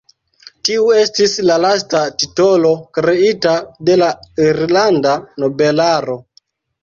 Tiu estis la lasta titolo kreita de la irlanda nobelaro.